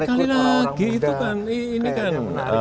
sekali lagi itu kan ini kan menarik